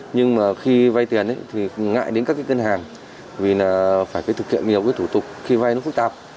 nhưng khi vay tiền thì ngại đến các cân hàng vì phải thực hiện nhiều thủ tục khi vay nó phức tạp